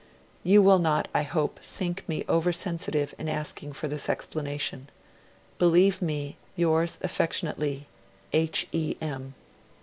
'You will not, I hope, think me over sensitive in asking for this explanation. Believe me, yours affectionately, 'H. E. M.'